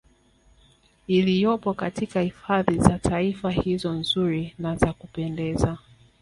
Iliyopo katika hifadhi za Taifa hizo nzuri na za kupendeza